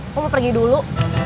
kamu pergi dulu